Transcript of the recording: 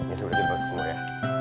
ini sudah bisa masuk semua ya